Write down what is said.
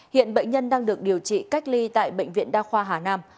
hiện bệnh nhân đang được điều trị cách ly tại bệnh viện đa khoa hà nam